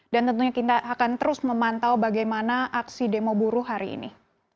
dan tentunya kita akan terus memantau bagaimana aksi demo buru hari ini